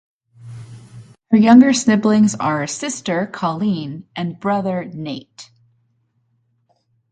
Her younger siblings are sister, Colleen, and brother, Nate.